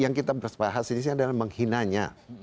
yang kita bahas disini adalah menghinanya